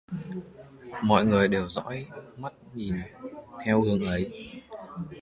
Mọi người đều dõi mắt nhìn theo hướng ấy